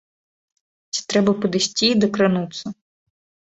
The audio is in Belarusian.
Ці трэба падысці і дакрануцца.